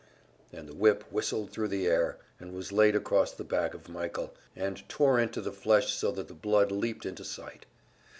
and the whip whistled thru the air and was laid across the back of Michael, and tore into the flesh so that the blood leaped into sight.